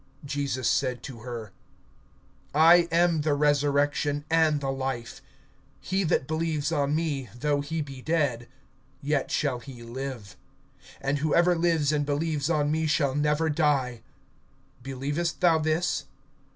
(25)Jesus said to her: I am the resurrection, and the life; he that believes on me, though he be dead, yet shall he live; (26)and whoever lives and believes on me, shall never die. Believest thou this?